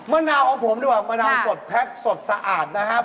มะนาวของผมดีกว่ามะนาวสดแพ็คสดสะอาดนะครับ